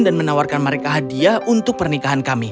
dan menawarkan mereka hadiah untuk pernikahan kami